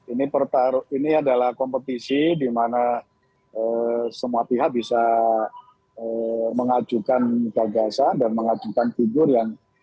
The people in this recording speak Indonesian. ini adalah kompetisi di mana semua pihak bisa mengajukan gagasan dan mengajukan figur yang